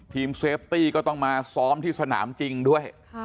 เซฟตี้ก็ต้องมาซ้อมที่สนามจริงด้วย